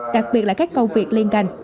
đặc biệt là các công việc liên gành